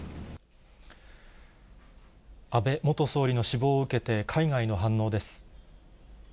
安倍元総理の死亡を受けて、海外の反応です。